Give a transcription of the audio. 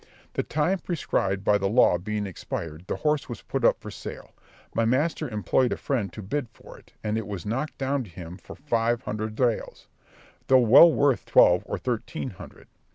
The time prescribed by the law being expired, the horse was put up for sale; my master employed a friend to bid for it, and it was knocked down to him for five hundred reals, though well worth twelve or thirteen hundred.